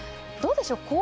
どうでしょう？